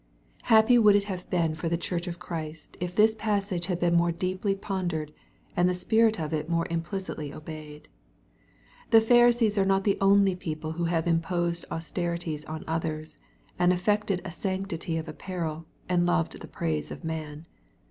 Happy would it have been for the Church of Christ, if this passage had been more deeply pon dered, and the spirit of it more implicitly obeyed. The Pharisees are not the only people who have imposed austerities on others, and affected a sanctity of apparel, and loved the praise of man.